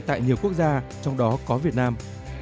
tại nhiều quốc gia trong đó có việt nam